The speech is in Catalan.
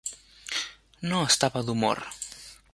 No estava d'humor.